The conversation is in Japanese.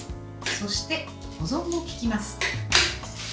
そして、保存も利きます。